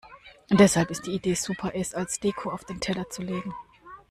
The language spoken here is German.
Deshalb ist die Idee super, es als Deko auf den Teller zu legen.